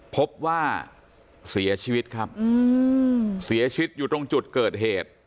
พบว่าเสียชีวิตครับเสียชีวิตอยู่ตรงจุดเกิดเหตุ